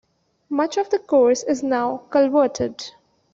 Much of the course is now culverted.